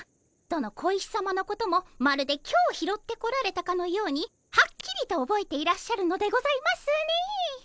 どの小石さまのこともまるで今日拾ってこられたかのようにはっきりとおぼえていらっしゃるのでございますねえ。